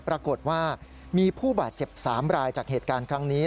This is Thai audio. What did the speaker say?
ปรากฏว่ามีผู้บาดเจ็บ๓รายจากเหตุการณ์ครั้งนี้